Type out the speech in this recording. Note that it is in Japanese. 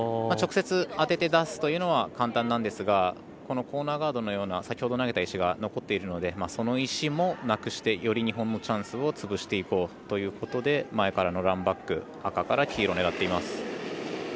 直接当てて出すというのは簡単なんですがこのコーナーガードのような先ほど投げた石が残っているのでその石もなくしてより日本のチャンスを潰していこうというということで前からランバック赤から黄色を狙っています。